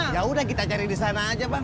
ya udah kita cari di sana aja bang